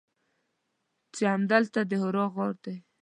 چې همدلته د حرا غار دی.